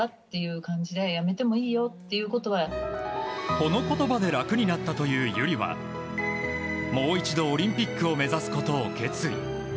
この言葉で楽になったという友理はもう一度オリンピックを目指すことを決意。